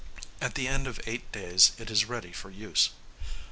At the end of eight days it is ready for use.